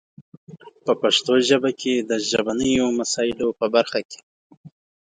په پښتو ژبه کې د ژبنیو مسایلو په برخه کې